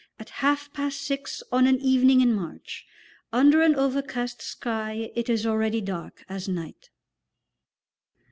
At half past six on an evening in March, under an overcast sky, it is already dark as night.